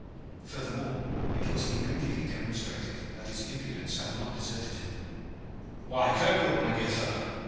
Furthermore it was immediately demonstrated that his impudence had not deserted him. "Why, Kirkwood, my dear fellow!"